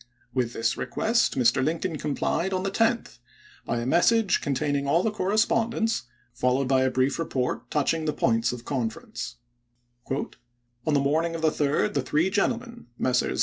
With this request Mr. Lincoln complied on the 10th, by a message containing all the corre spondence, followed by a brief report touching the points of conference : 138 ABRAHAM LINCOLN chap. vii. On the morning of the 3d the three gentlemen, Messrs.